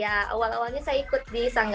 jadi saya ikutan virtual juga gitu